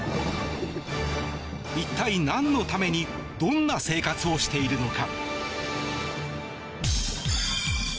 一体、何のためにどんな生活をしているのか。